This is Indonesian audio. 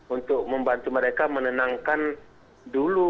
untuk membantu mereka menenangkan dulu